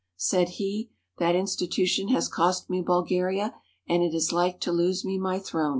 Said he: "That institution has cost me Bulgaria, and it is like to lose me my throne."